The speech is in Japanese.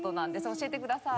教えてください。